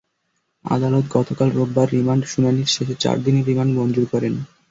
আদালত গতকাল রোববার রিমান্ড শুনানির শেষে চার দিনের রিমান্ড মঞ্জুর করেন।